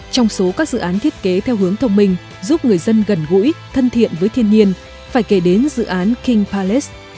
trong số các dự án thiết kế theo hướng thông minh giúp người dân gần gũi thân thiện với thiên nhiên phải kể đến dự án king palace